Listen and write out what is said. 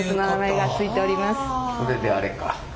それであれか。